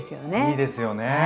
いいですよね。